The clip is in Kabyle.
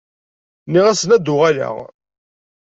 Nniɣ-asen ad d-uɣaleɣ